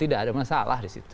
tidak ada masalah di situ